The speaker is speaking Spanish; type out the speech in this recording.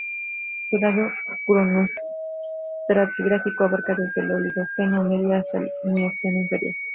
Su rango cronoestratigráfico abarca desde el Oligoceno medio hasta el Mioceno inferior.